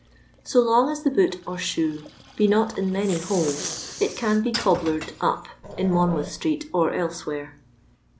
So long as the boot or shoe be not in many holes, it can be cobblered up in Monmouth street or elsewhere.